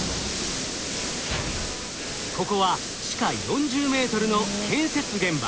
ここは地下４０ｍの建設現場。